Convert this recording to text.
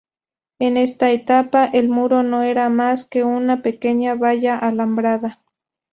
En esta etapa, el Muro no era más que una pequeña valla alambrada.